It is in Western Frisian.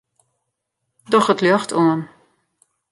Doch it ljocht oan.